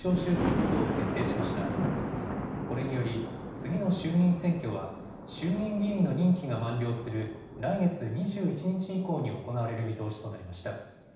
これにより次の衆議院選挙は衆議院議員の任期が満了する来月２１日以降に行われる見通しとなりました。